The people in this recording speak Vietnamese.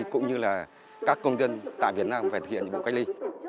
cũng như là các công dân tại việt nam phải thực hiện nhiệm vụ cách ly